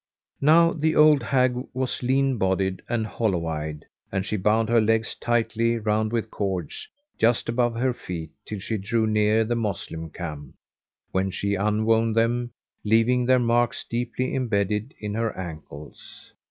Now the old hag was lean bodied and hollow eyed, and she bound her legs tightly round with cords[FN#412] just above her feet, till she drew near the Moslem camp, when she unwound them, leaving their marks deeply embedded in her ankles.